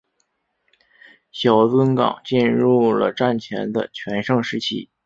小樽港进入了战前的全盛时期。